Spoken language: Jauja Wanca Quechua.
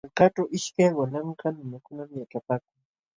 Malkaaćhu ishkay walanka nunakunam yaćhapaakun.